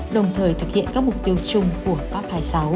đồng thời thực hiện các mục tiêu chung của park hai mươi sáu